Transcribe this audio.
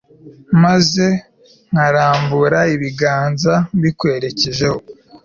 maze nkarambura ibiganza mbikwerekejeho